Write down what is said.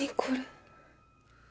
これ。